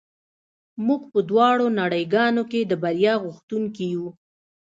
موږ په دواړو نړۍ ګانو کې د بریا غوښتونکي یو